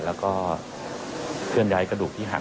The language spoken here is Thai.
และเซื่อนไยกระดูกที่หัก